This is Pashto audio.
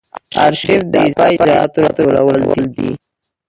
آرشیف د اضافه اجرااتو راټولول دي.